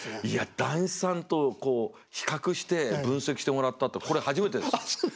いや談志さんとこう比較して分析してもらったってこれ初めてです。